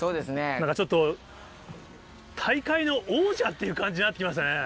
なんかちょっと、大海の王者っていう感じになってきましたね。